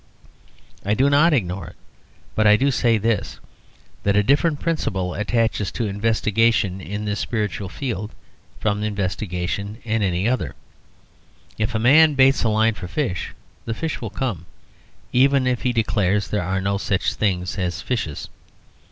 I do not ignore it. But I do say this That a different principle attaches to investigation in this spiritual field from investigation in any other. If a man baits a line for fish, the fish will come, even if he declares there are no such things as fishes.